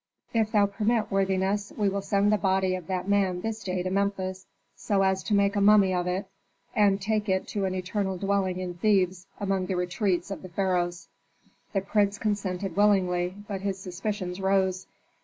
If thou permit, worthiness, we will send the body of that man this day to Memphis, so as to make a mummy of it, and take it to an eternal dwelling in Thebes among the retreats of the pharaohs." The prince consented willingly, but his suspicions rose.